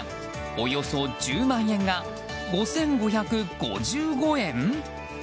およそ１０万円が５５５５円？